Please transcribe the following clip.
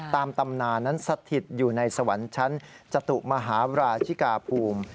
ตำนานนั้นสถิตอยู่ในสวรรค์ชั้นจตุมหาราชิกาภูมิ